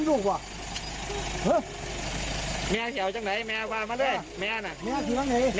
มันเป็นจังไง